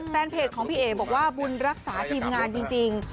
แฟนเพจของพี่เอ๋บอกว่าบุญรักษาทีมงานจริง